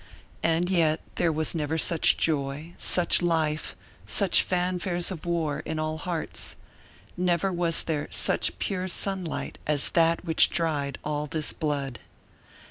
And yet there was never such joy, such life, such fanfares of war, in all hearts. Never was there such pure sunlight as that which dried all this blood.